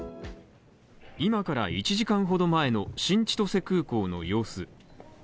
今から１時間ほど前の新千歳空港の様子。